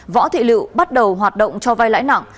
võ thị lựu bắt đầu hoạt động cho vai lãi nặng